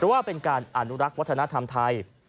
ว่าเป็นการอนุรักษ์วัฒนธรรมไทย